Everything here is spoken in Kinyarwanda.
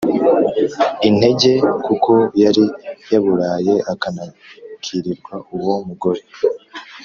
intege kuko yari yaburaye akanabwirirwa Uwo mugore